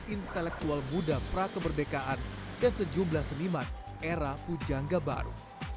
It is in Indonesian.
intelektual muda prakemerdekaan dan sejumlah seniman era pujangga baru